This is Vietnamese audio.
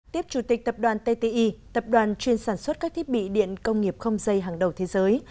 tiếp chủ tịch tập đoàn tti tập đoàn chuyên sản xuất các thiết bị điện công nghiệp không dây hàng đầu thế giới